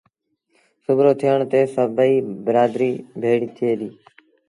سُڀورو ٿيڻ تي سڀئيٚ برآدريٚ ڀيڙيٚ ٿئي ديٚ